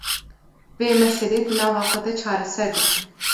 vê meselê di nava xwe de çareser dikin